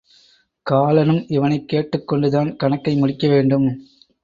காலனும் இவனைக் கேட்டுக் கொண்டுதான் கணக்கை முடிக்க வேண்டும்.